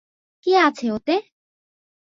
কী আছে ওতে?